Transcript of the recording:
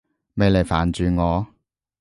咪嚟煩住我！